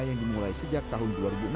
yang dimulai sejak tahun dua ribu enam